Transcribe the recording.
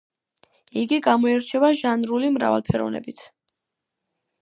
იგი გამოირჩევა ჟანრული მრავალფეროვნებით.